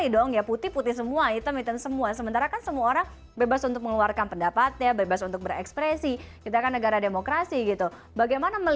ini juga gantikan pada keluarga dan juga manajer